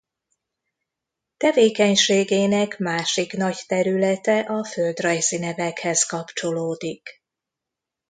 Tevékenységének másik nagy területe a földrajzi nevekhez kapcsolódik.